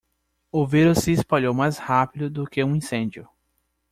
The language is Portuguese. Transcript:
O vírus se espalhou mais rápido do que um incêndio.